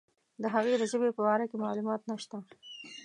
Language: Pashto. د هغه د ژبې په باره کې معلومات نشته.